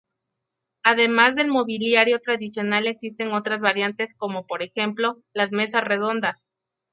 Además del mobiliario tradicional existen otras variantes, como, por ejemplo, las mesas redondas.